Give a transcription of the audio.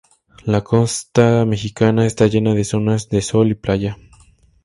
La costa mexicana está llena de zonas de sol y playa.